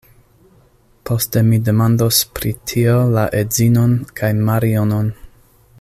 Poste mi demandos pri tio la edzinon kaj Marionon.